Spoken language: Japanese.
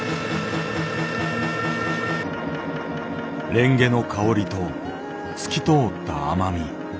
レンゲの香りと透き通った甘み。